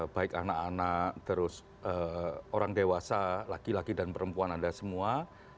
baik anak anak terus orang dewasa laki laki dan perempuan anda semua